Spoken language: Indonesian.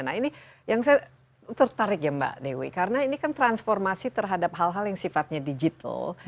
nah ini yang saya tertarik ya mbak dewi karena ini kan transformasi terhadap hal hal yang sifatnya digital